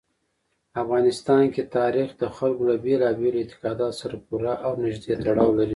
افغانستان کې تاریخ د خلکو له بېلابېلو اعتقاداتو سره پوره او نږدې تړاو لري.